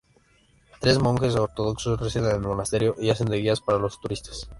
Tres monjes ortodoxos residen en el monasterio y hacen de guías para los turistas.